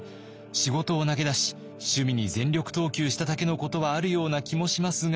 仕事を投げ出し趣味に全力投球しただけのことはあるような気もしますが。